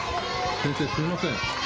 先生、すみません